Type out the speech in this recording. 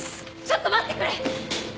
ちょっと待ってくれ！